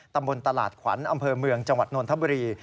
ตำบลตลาดขวัญอำเภอเมืองจังหวัดนนทบุรี